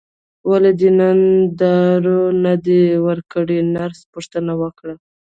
ولې دې نن دارو نه دي ورکړي نرس پوښتنه وکړه.